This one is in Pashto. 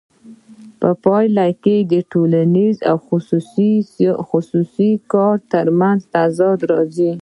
په پایله کې د ټولنیز او خصوصي کار ترمنځ تضاد راځي